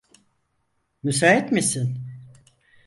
Müsait misin?